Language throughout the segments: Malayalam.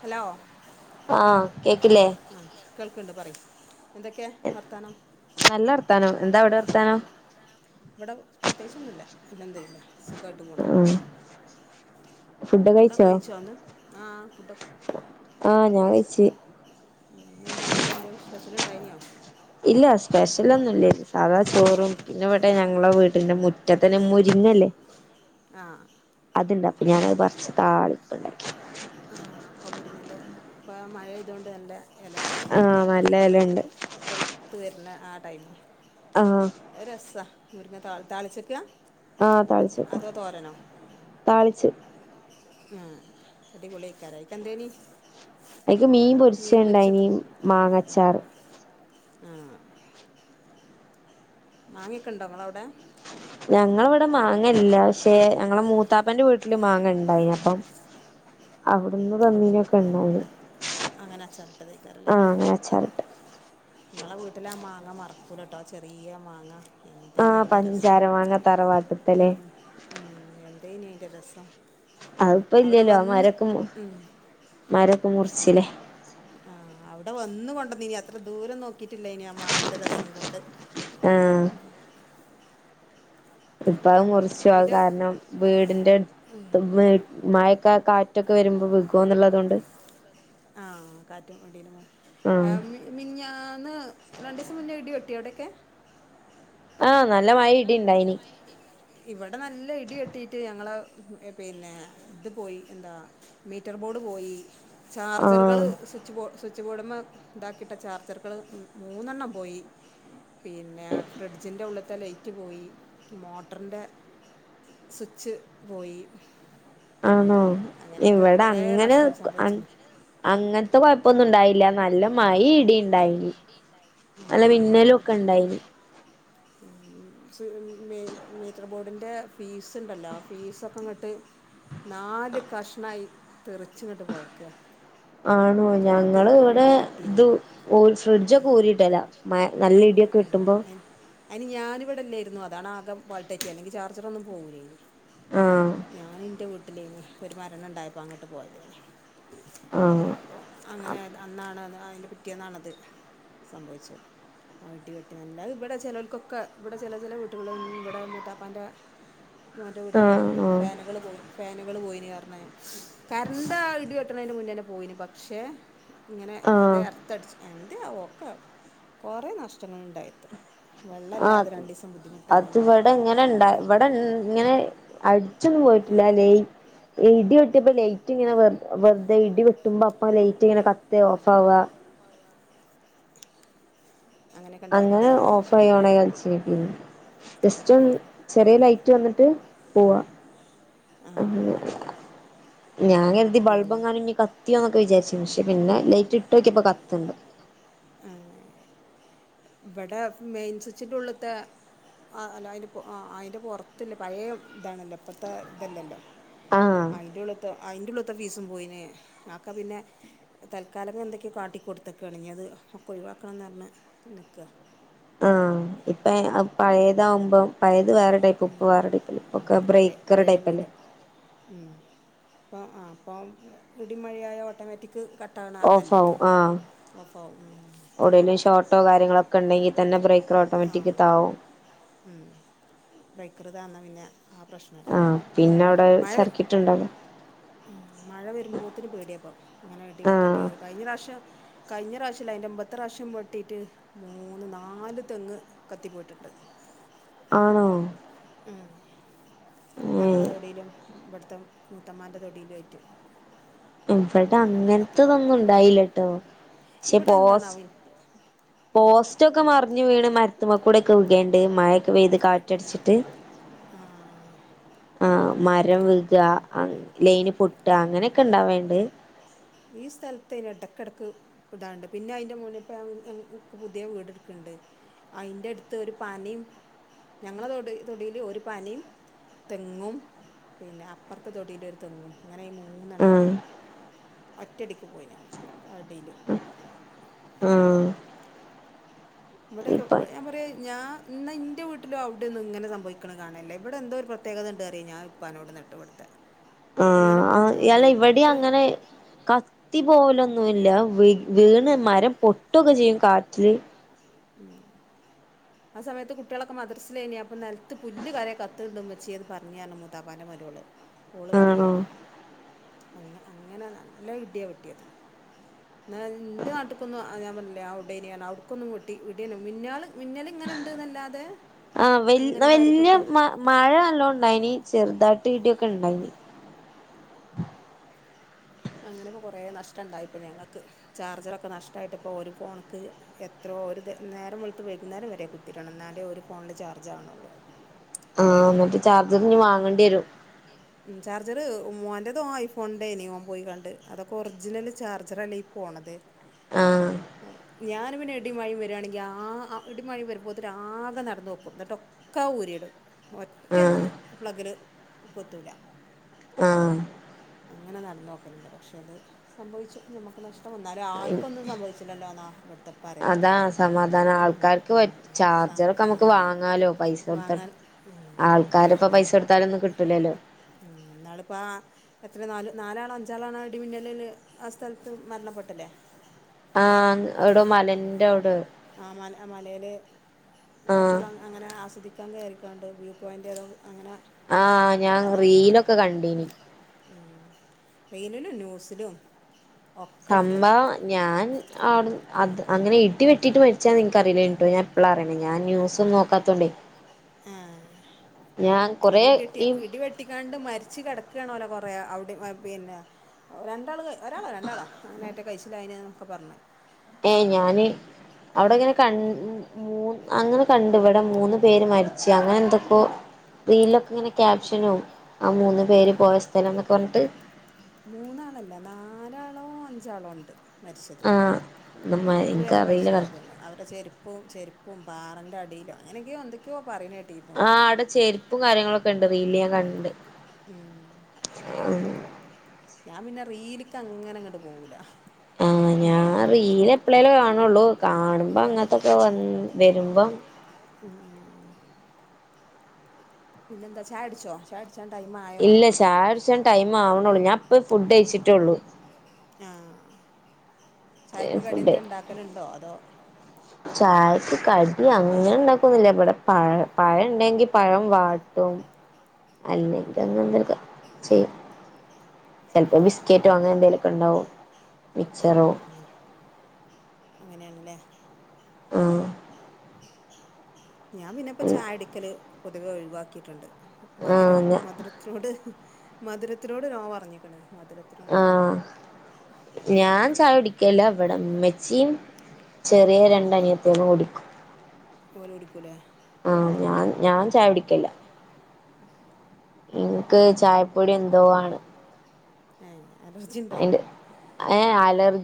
ഹലോ? ആഹ് കേക്ക്ല്ലേ? ആഹ് കേൾക്കണ്ട് പറിയ് എന്തൊക്കെയാ വർത്താനം? നല്ല വർത്താനം എന്താ അവിടെ വർത്താനം? ഇവിടെ പ്രത്യേകിച്ചൊന്നുല്ല പിന്നെന്ത് ല്ലേ സുഖായിട്ട് പോണു ഫുഡൊക്കെ കഴിച്ചോന്ന് കഴിച്ചോ ആഹ് ഫുഡൊക്കെ ഫുഡൊക്കെ കയ്ച്ച് ആ ഞാൻ കയ്ച്ചു ഇന്ന് എന്തെ ഫുഡ് എന്തെ സ്പെഷ്യൽ ണ്ടായിനോ? ഇല്ല സ്പെഷ്യലൊന്നുല്ല സാധാചോറ് [unintelligible] ആഹ് അത്ണ്ട് അപ്പൊ ഞാനത് പറിച്ച് താളിപ്പ്ണ്ടാക്കും. ആഹ് അപ്പൊ മുരിങ്ങന്റെ ഇപ്പ മഴെയ്തോണ്ട് നല്ലെ ഇലണ്ട് ഇല കിട്ടണ ടൈമാ ആഹ് നല്ല എലണ്ട് ലെ തെളുത്ത് വെര്ണ ആടൈമാ. ഓഹ് അത് രസാ മുരിങ്ങ താള് താള്ച്ചക്കാ? ആഹ് താളിച്ച്ക്കാ താളിച്ച്. ആഹ് അടിപൊളിയയ്ക്കാരം അത്ക്ക് എന്തേനി മീൻ പൊരിച്ചത് ആഹ് ആഹ് മാങ്ങാച്ചാറ്. മാങ്ങക്കെണ്ടോ ഇങ്ങളെ അവടെ. ഞങ്ങളെ ഇവിടെ മാങ്ങ ഇല്ല പക്ഷേ ഞങ്ങളെ മൂത്താപ്പന്റെ വീട്ടില് മാങ്ങണ്ടായി അപ്പൊ അവിടുന്ന് തന്നിനിക്കെണ്ടായി. അങ്ങനെ അച്ചാറിട്ടതെയ്ക്കാരല്ലേ. ഇങ്ങളെ വീട്ടിലെ ആ മാങ്ങ മറക്കൂലട്ടോ ആ ചെറിയ മാങ്ങ. എന്തേനി അയിന്റെ രസം ഉം ഉം എന്തേനിഅയിന്റെ രസം. അതിപ്പോ ഇല്ലല്ലോ മരൊക്കെ മരക്കെ മുറിച്ചില്ലേ. ആഹ് അവിടെ വന്ന് കൊണ്ടന്നിനി അത്ര ദൂരം നോക്കിട്ടില്ലെനി മാങ്ങന്റെ രസം കൊണ്ട്. ആഹ് ഇപ്പോ അത് മുറിച്ചു അഹ് കാരണം വീടിന്റെ മഴയൊക്കെ കാറ്റൊക്കെ വരുമ്പോ വികോ എന്നുള്ളതുകൊണ്ട്. ആ കാറ്റും ഒടില്മായി ആ മി മിനിഞ്ഞാന്ന് രണ്ടുസം മുന്നേ ഇടിവെട്ടിയോ അവിടെയൊക്കെ? ആഹ് നല്ല മഴേം ഇടിയുണ്ടായിരുന്നു. ഇവിടെ നല്ല ഇടിവെട്ടിട്ട് ഞങ്ങള് പിന്നെ ഇത് പോയി എന്താ മീറ്റർ ബോർഡ് പോയി ചാർജറുകൾ സ്വിച്ച് ബോർഡ് സ്വിച്ച് ബോർഡ്മ്മേ ഇതാക്കിയിട്ട ചാർജറുകൾ മൂന്നെണ്ണം പോയി. പിന്നെ ഫ്രിഡ്ജിൻ്റെ ഉള്ള്ത്തെ ലൈറ്റ് പോയി മോട്ട റിന്റെ സ്വിച്ച് പോയി. ആണോ ഇവിടെ അങ്ങനെ കൊ അങ്ങനത്തെ കൊഴപ്പൊന്നും ഉണ്ടായില്ല നല്ല മഴിം ഇടിണ്ടായിനി. ണ്ടായിന് നല്ല മിന്നലുക്കെണ്ടായിരുന്നു. [unintelligible] മീറ്റർ ബോർഡി്ന്റെ ഫീസ് ഉണ്ടല്ലോ ഫീസൊക്കെ ഇങ്ങിട്ട് നാല് കഷ്ണമായി തെറിച്ചുംങ്ങോട്ട് പോയ്ക്കുക ആണോ ഞങ്ങൾ ഇവിടെ ഇത് ഓ ഫ്രിഡ്ജ് ഒക്കെ ഊരിയിട്ടല്ലാ നല്ല ഇടിയൊക്കെ കെട്ടുമ്പോ അയ്ൻ ഞാനിവിടെല്ലായിരുന്നു അതാണ് ആകെ പാൾട്ട് അല്ലെങ്കിൽ ചാർജർ ഒന്നും പോകൂലയ്നൂ ഞാൻ എന്റെ വീട്ടിൽ ആയിന്നൂ ഇനി ഒരു മരണം ണ്ടായപ്പോ അങ്ങോട്ട് പോയതയ്നൂ ആഹ് അങ്ങനെ അന്നാണ് അതിന്റെ പിറ്റിയന്നാണത് സംഭവിച്ചത് ആ വട്ട വെട്ടി നല്ല ഇവിടെ ചിലർക്കൊക്കെ ഇവിടെ ചില ചില വീട്ടുക ഇവിടെ എടെ മൂത്താപ്പൻ്റെ മോൻ്റെ വീട്ടിൽ ഫാനുകൾ പോയി ഫാനുകൾ പോയിന് കാരണം കറണ്ട് ആ ഇടി വെട്ടുന്നതിന് മുന്നേ തന്നെ പോയിന് പക്ഷേ ഇങ്ങനെ യർത്അടിച്ച് എന്ധ്യെആവോ എൻ്റെ ആക്കെ കുറേ നഷ്ടങ്ങൾ ഉണ്ടായിട്ടരുന്നു വെള്ളമല്ലാതെ രണ്ടു ദിവസം ബുദ്ധിമുട്ടായി ഇവിടെ ഇങ്ങനെ ഇണ്ട ഇവിടെ ഇങ്ങനെ അടിച്ചൊന്നും പോയിട്ടില്ല ലെയ ഇടി വട്ടിയപ്പോ ലെയ ങ്ങനെ വെറുതെ ഇടി വെട്ടുമ്പോ അപ്പ ലൈറ്റ് ഇങ്ങനെ കത്ത് ഓഫ് ആവുക [inaudible] അങ്ങനെ ഓഫായി ഓണായി കളിചിനൂ ജസ്റ്റ് ഒന്ന് ചെറിയ ലൈറ്റ് വന്നിട്ട് പോവാ ഉ ഞാൻ കരുതി ബൾബ് എങ്ങാനും ഇഞ്ഞ് കത്തിയോന്നൊക്കെ വിചാരിച്ചു. പക്ഷെ പിന്നെ ലൈറ്റ് ഇട്ട് നോക്കിയപ്പോ കത്ത്ണ്ട്. ഇപ്പ കത്തി ആഹ്, ഇബടെ മെയിൻ സ്വിച്ചിൻ്റെ ഉള്ള്ത്തെ ആ അല്ല അയിൻ്റെ ആ അയിൻ്റെ പൊറത്ത് ഇല്ലെ പഴേ ഇതാണല്ലോ ഇപ്പത്തെ ഇതല്ലല്ലോ. അയിന്റെ ഉള്ള്ത്തെ അയിന്റെ ഉള്ള്ത്തെ ഫീസും പോയിന് ആക്ക പിന്നെ തൽക്കാലം ഇഞ്ഞ് എന്തൊക്കെയോ കാട്ടി കൊടുത്തക്ക് ആണ് ഇഞ്ഞ് അത് ഒക്കെ ഒഴിവാക്കണം എന്ന് പറഞ്ഞ് നിൽക്ക്. ആഹ് ഇപ്പെ അയ് പഴേതാവുമ്പം പഴേത് വേറെ ടൈപ്പു ഇപ്പൊ വേറെ ടൈപ്പ് അല്ലെ, ഇപ്പെ ഒക്കെ ബ്രേക്കറ് ടൈപ്പല്ലേ? ഉം, ഇപ്പൊ ആ ഇപ്പം ഇടി മഴയായ ഓട്ടോമാറ്റിക്ക് കട്ട് ഓഫ് ആവും. ആഹ് ഓഫ് ആവും. ഉം, ഉം. എവിടെലും ഷോർട്ടോ കാര്യങ്ങളൊക്കെ ഇണ്ടെങ്കിൽ തന്നെ ബ്രേക്കർ ഓട്ടോമാറ്റിക് താവും. താവും, ഉം. ബ്രൈക്കറ് താന്നാ പിന്നെ ആ പ്രശ് ആ പിന്നെ അവിടെ സർക്കിറ്റ് ഇണ്ടല്ലോ? ഉം, മഴ വരുമ്പോത്തിന് പേടിയ ഇപ്പം, ഇങ്ങനെ ഇടി വെട്ടിട്ട്. കഴിഞ്ഞ പ്രാവശ്യം കഴിഞ്ഞ പ്രാവശ്യല്ല അയിൻ്റെ മുമ്പത്തെ പ്രാവശ്യം വെട്ടിയിട്ട് മൂന്ന്, നാല് തെങ്ങ് കത്തിപ്പോയിട്ടുണ്ട്. ആണോ? ആഹ്, ഞങ്ങളെ തൊടിയിലും ഇവിട്ത്തെ മൂത്തമ്മാന്റെ തൊടിയിലും ആയിട്ട്. ഇവിടെ അങ്ങൻത്തെ ഇതൊന്നും ഉണ്ടായില്ലട്ടോ, പക്ഷെ പോസ് പോസ്റ്റൊക്കെ മറിഞ്ഞു വീണ് മരത്തുമ കൂടൊക്കെ വികേണ്ട് മഴൊക്കെ പെയ്ത് കാറ്റടിച്ചിട്ട് ആഹ് ആ മരം വിക്, അങ്ങ് ലൈന് പൊട്ട് അങ്ങനെയൊക്കെ ഇണ്ടാവേണ്ട്. ഈ സ്ഥലത്ത് അയിന് എടക്ക് എടക്ക് ഇതാവ്ണ്ട്. പിന്നെ അയിന്റെ മോളില് ഇപ്പൊ [unintelligible] അയ് ഇൻക്ക് പുതിയ വീടെടുക്ക്ണ്ട്. അയിന്റെ അടുത്ത് ഒരു പനേം ഞങ്ങളെ തൊടി തൊടീല് ഒരു പനേം തെങ്ങും പിന്നെ അപ്പർത്തെ തൊടിയിലൊരു തെങ്ങും, ഇങ്ങനെ ഈ മൂന്നെണ്ണം ഒറ്റടിക്ക് പോയിന് ആ ഇടീല്. ആഹ് ഇവിടെ ഒക്കെ ഞാൻ പറയാ ഞാൻ ഇന്നാ ഇന്റെ വീട്ടിലു അവിടെയൊന്നു ഇങ്ങനെ സംഭവിക്ക്‌ണ് കാണലില്ല. ഇവിടെ എന്തോ ഒരു പ്ര ത്യേകത ഇണ്ട് പറിയ് ഞാൻ ഇപ്പാനോട് ഇന്ന്ട്ട് ഇവട്ത്തെ ഇങ്ങനെ പോണതോണ്ടെ ഇപ്പ എത്ര, ഇവിടെ അങ്ങ ത്തി പോലൊന്നുല്ല വി വീണ് മരം പൊട്ടു ഒക്കെ ചെയ്യും കാറ്റില്. ഉം ആ സമയത്ത് കുട്ട്യാളൊക്കെ മദ്രസിലേനി അപ്പൊ നെലത്ത് പുല്ല് വരെ കത്ത്‌ണ്ട്‌ ഇമ്മച്യേന്ന് പറഞ്ഞ് ർഞ്ഞ് മുത്താപ്പാന്റെ മരോള്. ഓള് പറയേ. അന്ന് അങ്ങനെ നല്ല ഇടിയ വെട്ടിയത്. ഇന്നാ ഇന്റെ നാട്ട്ക്കൊന്നും ആ ഞാൻ പറഞ്ഞിലേ അവിടെയ്നി അവ്ട്ക്കൊന്നും വെട്ടി ഇടിന്നെ മിന്നേള് മിന്നല് ഇങ്ങനെ ഇണ്ട് എന്നെല്ലാതെ ആ വെൽ ഇന്നാ വെല്യ മ മഴ നല്ലോം ഇണ്ടായിനി, ചെറുതായിട്ട് ഇടിയൊക്കെ ഇണ്ടായിനി. അങ്ങനെ ഇപ്പോ കൊറേ നഷ്ടം ഇണ്ടായിപ്പോ ഞങ്ങക്ക്. ചാർജറൊക്കെ നഷ്‌ട്ടായിട്ടിപ്പോ ഒരു ഫോണ്ക്ക് എത്രോ ഒരു തെ നേരം വെളുത്ത് വൈകുന്നേരം വരെ കുത്തിടണം. ഇന്നാലേ ഒരു ഫോണില് ചാർജ് ആവ്ണൊള്ളൂ. ആ ഇന്നിട്ട് ചാർജറ് ഇഞ്ഞി വാങ്ങണ്ടി വെരും. ഉം, ചാർജറ് ഉം മോന്റെത് ഓൻ ഐഫോണിന്റെയിനിം ഓൻ പോയിക്കാണ്ട് അതൊക്കെ ഒറിജിനൽ ചാർജറല്ലേ ഈ പോണത് ആ ഞാന് പിന്നെ ഇടിം മഴേ വെരാണെങ്കി ആ അ ഇടിം മഴേ വെരുമ്പോത്തിന് ആകെ നടന്നോക്കും ന്ന്ട്ട് ഒ ക്കെ ഊരിടും ഒറ്റൊന്നും പ്ലെഗില് കുത്തൂല അങ്ങനെ നടന്നോക്കല്ണ്ട് പക്ഷെ ത് സംഭവിച്ചു ഞമ്മക്ക് നഷ്ടം വന്നാലും ആൾക്കൊന്നും സംഭവിച്ചില്ലല്ലോ ന്നാ ഇവിട്ത്തെ അതാ സമാധാനം ആൾക്കാർക്ക് പറ്റ് ചാർജറൊക്കെ ഞമ്മക്ക് വാങ്ങാലോ പൈസ കൊട്ത്ത‌ ആൾക്കാരെപ്പോ പൈസ കൊടുത്താലൊന്നും കിട്ടൂലല്ലോ ഉം ന്നാളിപ്പൊ ആ എത്ര നാല് നാലാണോ അഞ്ചാളാണോ ആ ഇടിമിന്നലില് ആ സ്ഥലത്ത് മര്ണപ്പെട്ടിലെ ആ എവടൊ മലന്റെവ്ടൊ ആ മല മലേല് കാറ്റ്ള്ളന്നങ്ങനെ ആസ്വദിക്കാൻ കേറിക്കാണ്ട് വ്യൂ പോയിൻ്റ് ഏതോ അങ്ങനെ ആഹ് ഞാൻ റീലൊക്കെ കണ്ടീനി ഉം റീലിലും ന്യൂസിലും സംഭവം ഞാൻ അവി അത് അങ്ങനെ ഇ അങ്ങനെ ഇടി വെട്ടീട്ട് മരിച്ചാന്ന് ഇൻക്കറീല്ലേന്നു ട്ടോ ഞാൻ ഇപ്പളാ അറിയുന്നത് സൊന്നും നോക്കാത്തോണ്ടെ ആ അത് ഇടിവെട്ട്യേ ഇടിവെ ട്ടിക്കാണ്ട് മരിച്ച് കെടക്കാണോലോ കൊറേ അവിടിം പിന്നെ രണ്ടാള് കൈ ഒരാളോ രണ്ടാളോ അങ്ങനെറ്റെ കയ്ച്ചിലായിന് ന്നൊക്കെ പർഞ്ഞ് ഏയ് ഞാന് അവടെങ്ങനെ കൺ മൂന്ന് അങ്ങനെ കണ്ട് ഇവടെ മൂന്ന് പേര് മരിച്ച ച്ച് അങ്ങനെന്തെക്കോ റീൽലൊക്കെ ഇങ്ങനെ ക്യാപ്ഷനും ആ മൂന്ന് പേര് പോയ സ്ഥലം ന്നൊക്കെ പർഞ്ട്ട് മൂന്നാളല്ല നാലാളോ അഞ്ചാളോ ണ്ട് മരിച്ചത് രണ്ടു പേരാ കയ്ച്ചിലായത് തോന്ന്‌ണ് അവരെ ചെര്പ്പും ചെര്പ്പും പാറൻ്റെ അടിലോ അങ്ങനെയൊക്കെ എന്തൊക്ക്യോ പറയ്ണ കേ ആ അവ്ടെ ചെരുപ്പും കാര്യങ്ങളൊക്കെ ണ്ട് റീല്ല് ഞാ കണ്ട് ഉം അതെന്നെ അതെന്നെ ഞാൻ പിന്നെ റീല്ക്ക് അങ്ങനങ്ങട്ട് പോവൂല ആ ഞാ റീലെപ്പളേലെ കാണൊള്ളു കാണുമ്പോ അങ്ങൻത്തൊക്കെ വ വെരുമ്പം ഉം ഉം ഉം പിന്നെന്താ ചായുട്ച്ചോ ചായടുച്ചാൻ ടൈമാ ഇല്ല ചായുടിച്ചാൻ ടൈമാവ്ണൊള്ളു ഞാപ്പം ഫുഡയ്ച്ച്ട്ടൊള്ളു ആഹ് ചായക്ക് കടി എന്തേ ണ്ടാക്കല്ണ്ടോ അതോ ചായക്ക് കടി അങ്ങനെണ്ടാക്കൊന്നൂല്ല ഇവിടെ പഴം പഴണ്ടെങ്കി പഴം വാട്ടും [inaudible] അല്ലെങ്ങി അങ്ങനെന്തേലൊക്കെ ചെയ്യും ആ അ അങ്ങനെണ്ലെ ആ ഞാ പിന്നെപ്പോ ചായുടിക്കല് പൊതുവെ ഒഴിവാക്കിട്ട്ണ്ട് മധുരം മധുരത്തിനോട് മധുരത്തിനോട് നോ പറഞ്ഞ്ക്ക്ണ് മധുര ആ ഞാൻ ചായ കുടിക്കല്ല ഇവിടെമ്മെച്ചിം ചെറിയ രണ്ടനിയത്യാളും കുടിക്കും ഓൽ കുടിക്കൂലേ ആഹ് ഞാൻ ഞാൻ ചായകുടിക്കലില്ല ഇന്ക്ക് ചായ ഏഹ് അലർജിണ്ടോ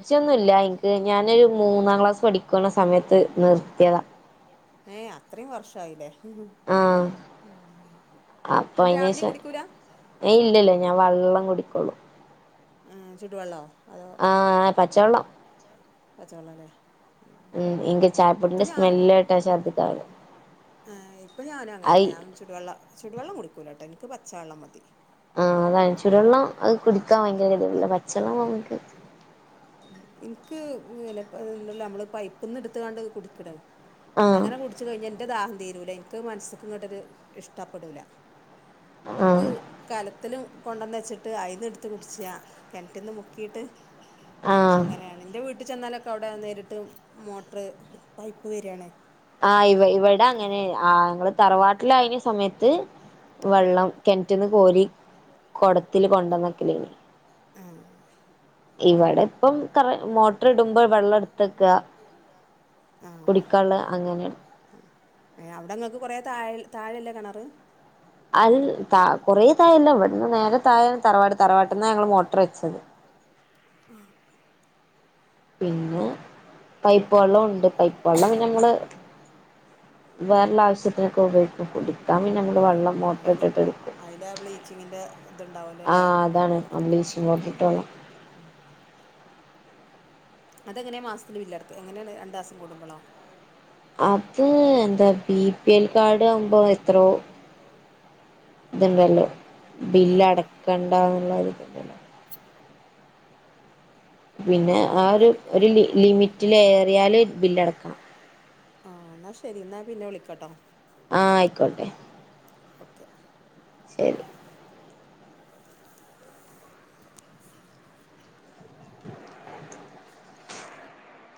ജിന്നുള്ള ഇന്ക്ക് ഞാനൊരു മൂന്നാം ക്ലാസ് പഠിക്കുന്ന സമയത്ത് നിർത്തിയതാ ഏയ് അത്രയും വർഷയില്ലേ ന്നട്ട് രാവിലെയും കുടിക്കൂലാ ഏയ് ഇല്ലല്ല ഞാൻ വള്ളം കുടിക്കൊള്ളൂ ഏഹ് ചുടു വെള്ളോ അതോ ആഹ് പച്ചവെള്ളം ച്ചള്ളം പച്ചവള്ളം ല്ലേ ഉം ഇന്ക്ക് ചായപ്പൊടിന്റെ സ്മെല് കേട്ടാ ഛർദിക്കാൻ വെരും ആഹ് ഇപ്പൊ ഞാനും അങ്ങെന്നെ ചുടുവെള്ളം ചുടുവെള്ളം കുടിക്കൂല ട്ടോ ഇന്ക്ക് പച്ചവെള്ളം മതി ആഹ് അതാണ് ചുടുവള്ളം അത് കുടുക്കാ ഭയങ്കര കേദേടാ പച്ചള്ളംആണ് ഇന്ക് ഇന്ക്ക് എഹ് നമ്മള് പൈപ്പന്ന്ന് എടുത്ത്ങ്ങാണ്ട് കുടിക്കണ് അങ്ങനെ കുടി ടിച്ച് കഴിഞ്ഞാ ഇന്റെ ദാഹം തീരൂല ഇന്ക്ക് മനസ്ക്ക് ഇങ്ങട്ടരു ഇഷ്ടപ്പെടൂല്ല ഇന്ക്ക് കലത്തിലും കൊണ്ടന്നച്ചിട്ട് അയിന്ന് ഇടുത്ത് കുടിച്ചാ കിണറ്റ്ന്ന് മുക്കീട്ട് അങ്ങനെയാണ് ഇന്റെ വീട്ടിൽ ചെന്നാലൊക്കെ അവിടെ നേരിട്ട് മോട്ടർ പൈപ്പ് വരാണ് ആഹ് ഇവ ഇവടെ അങ്ങനെ ആ ഞങ്ങൾ തറവാട്ടിലയിനെ സമയത്ത് വെള്ളം കെണറ്റന്ന് കോരി കൊടത്തിൽ കൊണ്ടന്നക്കലനി ആഹ് ഇവിടെ ഇപ്പം കറ മോട്ടർ ഇടുമ്പോ വെള്ളം എടുത്തക്കാ കുടിക്കാള്ളെ അങ്ങനെ ആഹ് അവിടെങ്ങക്ക് കുറെേ താഴ താഴെല്ലേ കെണറ് അത് ത കുറേ തായല്ലേ ഇവിടുന്ന് നേരെ താഴെ തറവാട് തറവാട്ട്ന്നാ ഞങ്ങൾ മോട്ടർ വെച്ചത് ആഹ് പിന്നെ പൈപ്പ് വെള്ളോണ്ട് പൈപ്പ് വെള്ളം പിന്നെ മ്മൾ ആഹ് അയിൽ അയ്ലാ ബ്ലീച്ചിങ്ങിന്റെ ഇതുണ്ടാവോല ലേ ഉം അതെങ്ങനെ മാസത്തിൽ ബില്ല് അടക്കേ എങ്ങനെയാണ് രണ്ടാസം കൂടുമ്പളോ അത് എന്താ ബി പി എൽ കാർഡ് ആകുമ്പോ എത്രോ എത്രോ ഇത്ണ്ടല്ലോ ബില്ല് അടക്കണ്ട എന്നുള്ളതുണ്ടല്ലോ പിന്നെ ആ ഒരു ഒരു ലി ലിമിറ്റിലേറിയാൽ ബില്ലടക്കണം ആഹ് ന്നാ ശരി എന്നാ പിന്നെ വിളിക്കട്ടോ ആഹ് ആയിക്കോട്ടെ ഓക്കെ ശരി